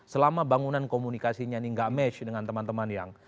selama bangunan komunikasinya ini gak match dengan teman teman yang